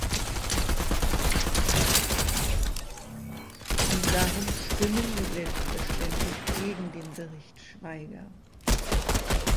Und darum stimmen wir selbstverständlich gegen den Bericht Schwaiger.